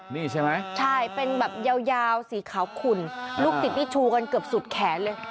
นี่ใช่ไหมใช่เป็นแบบยาวสีขาวขุ่นลูกศิษย์นี่ชูกันเกือบสุดแขนเลย